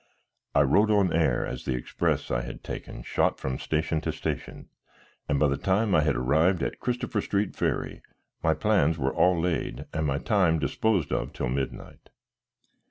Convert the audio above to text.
I rode on air as the express I had taken shot from station to station, and by the time I had arrived at Christopher Street Ferry my plans were all laid and my time disposed of till midnight.